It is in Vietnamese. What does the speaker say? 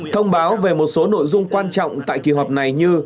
thông báo về một số nội dung quan trọng tại kỳ họp này như